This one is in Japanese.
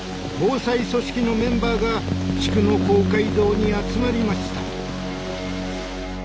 防災組織のメンバーが地区の公会堂に集まりました。